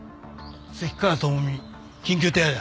関川朋美緊急手配だ。